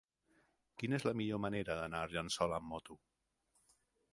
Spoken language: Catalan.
Quina és la millor manera d'anar a Argençola amb moto?